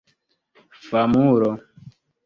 famulo